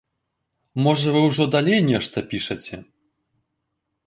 Можа, вы ўжо далей нешта пішаце?